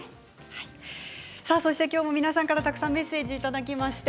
きょうも皆さんからたくさんメッセージをいただきました。